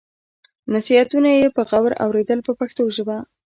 نصیحتونه یې په غور اورېدل په پښتو ژبه.